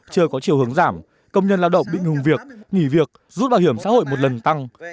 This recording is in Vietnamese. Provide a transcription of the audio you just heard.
chưa có chiều hướng giảm công nhân lao động bị hùng việc nghỉ việc rút bảo hiểm xã hội một lần tăng